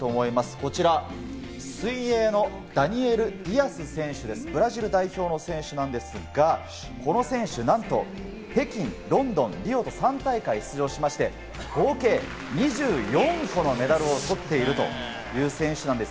こちら水泳のダニエル・ディアス選手、ブラジル代表の選手なんですが、この選手、なんと北京、ロンドン、リオと３大会出場しまして、合計２４個のメダルを取っているという選手なんです。